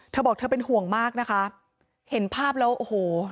เธอบอกเธอเป็นห่วงมากนะคะเห็นภาพแล้วโอ้โห